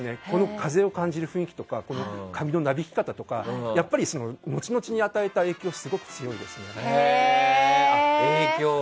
風を感じる雰囲気とか髪のなびき方とか後々に与えた影響がすごく強いですね。